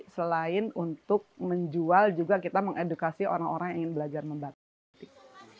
selain untuk menjual juga kita mengedukasi orang orang yang ingin belajar membatik batik